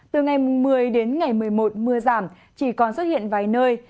từ ngày một mươi đến ngày một mươi một mưa giảm chỉ còn xuất hiện vài nơi